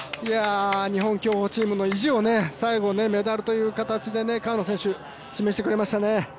日本競歩チームの意地を最後メダルという形でね川野選手、示してくれましたね。